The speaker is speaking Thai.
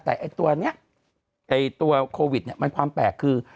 แต่ตัวนี้ตัวโควิดมันความแปลกคือ